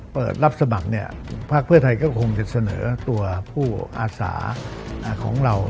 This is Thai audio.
เปิดรับสมัครภาคเพื่อไทยก็คงจะเสนอตัวผู้อาสาของเรา